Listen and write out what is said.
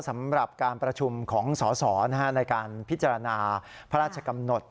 สำหรับการประชุมของสอสอในการพิจารณาพระราชกำหนด